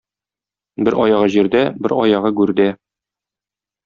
Бер аягы җирдә, бер аягы гүрдә.